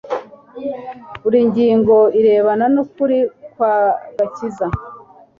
Buri ngingo irebana nukuri kwagakiza